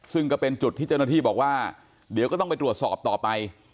ซึ่งก็เป็นจุดที่เจ้าหน้าที่บอกว่าเดี๋ยวก็ต้องไปตรวจสอบต่อไป